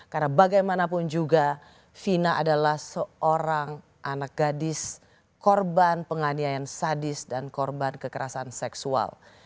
karena bagaimanapun juga fina adalah seorang anak gadis korban penganiayaan sadis dan korban kekerasan seksual